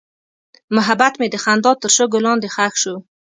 محبت مې د خندا تر شګو لاندې ښخ شو.